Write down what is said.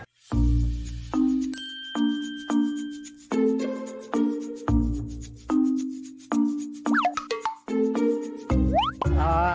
คือนายอัศพรบวรวาชัยครับ